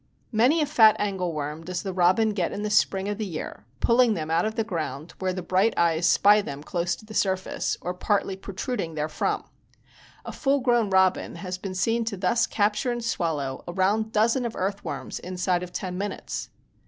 Many a fat angle worm does the robin get in the spring of the year, pulling them out of the ground where the bright eyes spy them close to the surface, or partly protruding therefrom. A full grown robin has been seen to thus capture and swallow a round dozen of earth worms inside of ten minutes.